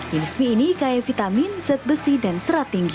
jenis mie ini kaya vitamin zat besi dan serat tinggi